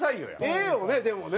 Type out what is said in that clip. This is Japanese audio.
ええよねでもね。